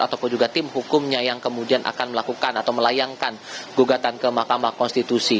ataupun juga tim hukumnya yang kemudian akan melakukan atau melayangkan gugatan ke mahkamah konstitusi